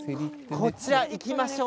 こちらにいきましょう。